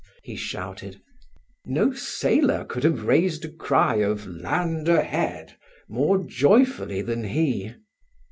he shouted. No sailor could have raised a cry of "Land ahead!" more joyfully than he.